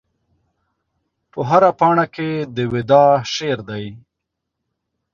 په هره پاڼه کې د وداع شعر دی